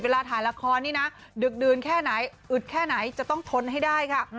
ถ่ายละครนี่นะดึกดื่นแค่ไหนอึดแค่ไหนจะต้องทนให้ได้ค่ะ